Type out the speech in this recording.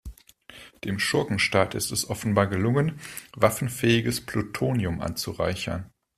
Dem Schurkenstaat ist es offenbar gelungen, waffenfähiges Plutonium anzureichern.